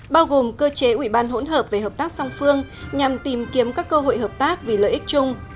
bao gồm cơ chế ủy ban hỗn hợp về hợp tác song phương nhằm tìm kiếm các cơ hội hợp tác vì lợi ích chung